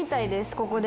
ここで。